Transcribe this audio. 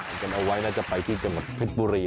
กันเอาไว้น่าจะไปที่เจมส์เพศบุรี